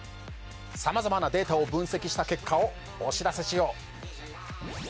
さまざまなデータを分析した結果をお知らせしよう。